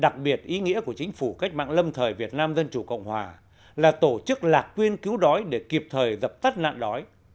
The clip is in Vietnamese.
đặc biệt ý nghĩa của chính phủ cách mạng lâm thời việt nam dân chủ cộng hòa là tổ chức lạc quyên cứu đói để kịp thời dập tắt nạn đói